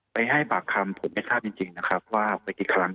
ให้ปากคำผมไม่ทราบจริงนะครับว่าไปกี่ครั้ง